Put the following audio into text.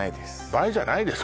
映えじゃないです